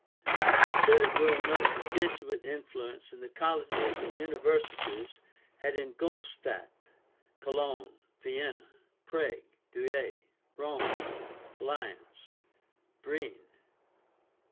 The student will note the Jesuit influence in the colleges and universities at Ingoldstadt, Cologne, Vienna, Prague, Douay, Rome, Lyons, Briinn.